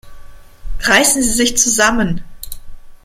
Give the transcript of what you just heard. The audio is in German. Reißen Sie sich zusammen!